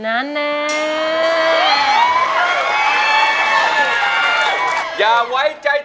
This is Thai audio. นั่นเนี่ย